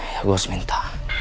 ya gue harus minta